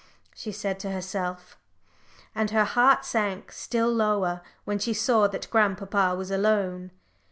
she said to herself, and her heart sank still lower when she saw that grandpapa was alone.